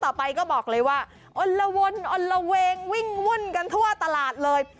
ต่อไปก็บอกเลยว่าอ้นละวนอนละเวงวิ่งวุ่นกันทั่วตลาดเลย